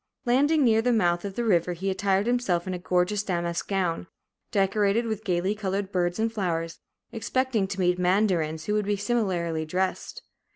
Landing near the mouth of the river, he attired himself in a gorgeous damask gown, decorated with gayly colored birds and flowers, expecting to meet mandarins who would be similarly dressed.